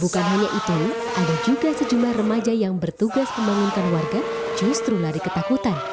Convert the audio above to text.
bukan hanya itu ada juga sejumlah remaja yang bertugas membangunkan warga justru lari ketakutan